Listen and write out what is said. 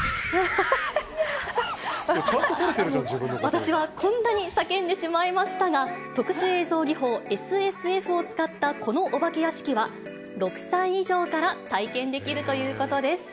私はこんなに叫んでしまいましたが、特殊映像技法、ＳＳＦを使ったこのお化け屋敷は、６歳以上から体験できるということです。